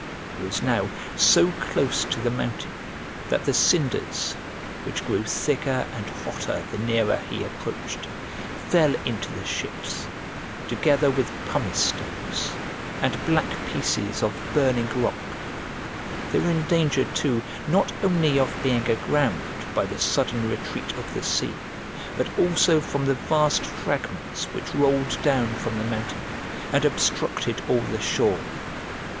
He was now so close to the mountain that the cinders, which grew thicker and hotter the nearer he approached, fell into the ships, together with pumice stones, and black pieces of burning rock: they were in danger too not only of being aground by the sudden retreat of the sea, but also from the vast fragments which rolled down from the mountain, and obstructed all the shore.